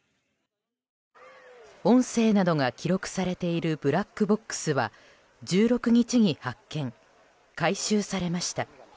音声などが記録されているブラックボックスは１６日に発見・回収されました。